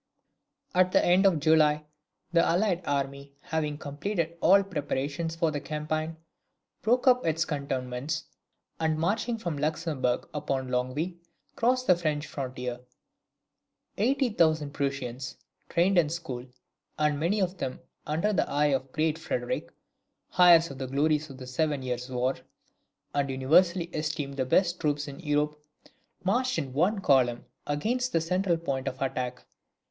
At the end of July the allied army, having completed all preparations for the campaign, broke up from its cantonments, and marching from Luxembourg upon Longwy, crossed the French frontier. Eighty thousand Prussians, trained in the school, and many of them under the eye of the Great Frederick, heirs of the glories of the Seven Years' War, and universally esteemed the best troops in Europe, marched in one column against the central point of attack.